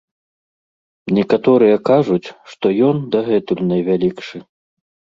Некаторыя кажуць, што ён дагэтуль найвялікшы.